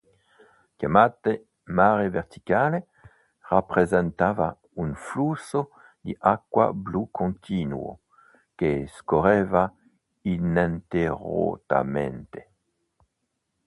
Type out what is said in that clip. Chiamata "Mare verticale" rappresentava un flusso di acqua blu continuo, che scorreva ininterrottamente.